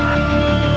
aku akan menang